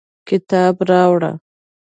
کتاب راوړه